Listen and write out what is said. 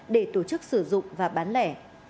để tổ chức sử dụng và bán lẻ